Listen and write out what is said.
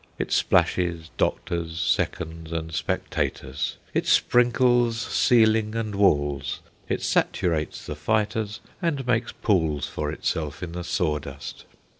It splashes doctors, seconds, and spectators; it sprinkles ceiling and walls; it saturates the fighters, and makes pools for itself in the sawdust.